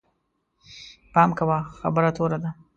پام کوه، خبره توره ده